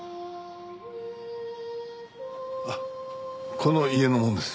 この家の者です。